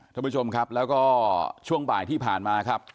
ท่านผู้ชมครับแล้วก็ช่วงบ่ายที่ผ่านมาครับ